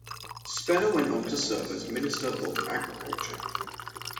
Speller went on to serve as Minister of Agriculture.